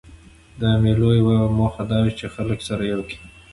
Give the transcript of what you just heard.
د مېلو یوه موخه دا ده، چي خلک سره یو کي.